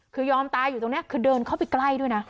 คือยอมตายอยู่ตรงนี้คือเดินเข้าไปใกล้ด้วยนะ